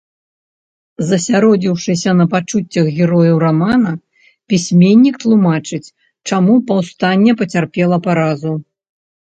Засяродзіўшыся на пачуццях герояў рамана, пісьменнік тлумачыць, чаму паўстанне пацярпела паразу.